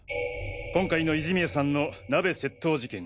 今回の泉谷さんの鍋窃盗事件